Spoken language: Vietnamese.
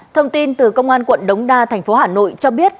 thông tin từ công an quận đống đa thành phố hà nội cho biết